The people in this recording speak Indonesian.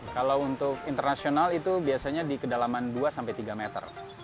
kalau untuk internasional itu biasanya di kedalaman dua sampai tiga meter